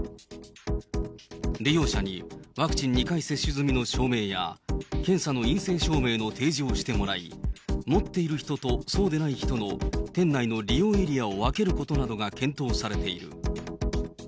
利用者にワクチン２回接種済みの証明や、検査の陰性証明の提示をしてもらい、持っている人とそうでない人の店内の利用エリアを分けることなどが検討されている。